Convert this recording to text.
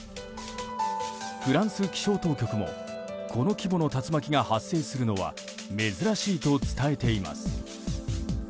フランス気象当局もこの規模の竜巻が発生するのは珍しいと伝えています。